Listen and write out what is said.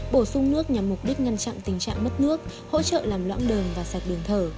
bổ sung nước nhằm mục đích ngăn chặn tình trạng mất nước hỗ trợ làm lõng đường và sạch đường thở